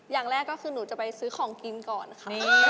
อย่างแรกก็คือหนูจะไปซื้อของกินก่อนค่ะ